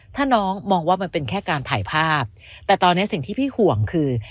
ถ้าน้องมองว่ามันเป็นแค่การถ่ายภาพแต่ตอนนี้สิ่งที่พี่ห่วงคือ